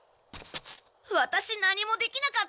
ワタシ何もできなかった！